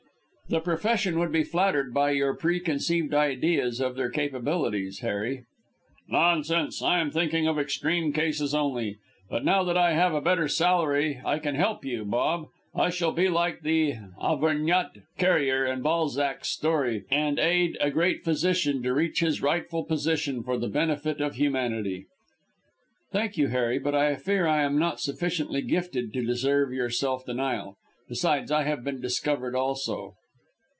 "The profession would be flattered by your preconceived ideas of their capabilities, Harry." "Nonsense! I am thinking of extreme cases only. But now that I have a better salary I can help you, Bob. I shall be like the Auvergnat carrier in Balzac's story, and aid a great physician to reach his rightful position for the benefit of humanity." "Thank you, Harry, but I fear I am not sufficiently gifted to deserve your self denial. Besides, I have been discovered also."